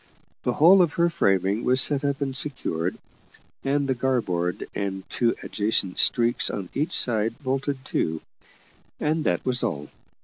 The whole of her framing was set up and secured, and the garboard and two adjacent streaks on each side bolted to: and that was all.